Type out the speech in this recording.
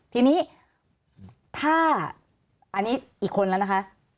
ทีนี้ถ้าอันนี้อีกคนแล้วนะคะ